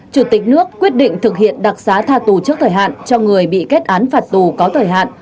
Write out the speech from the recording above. chủ tịch nước quyết định thực hiện đặc xá tha tù trước thời hạn cho người bị kết án phạt tù có thời hạn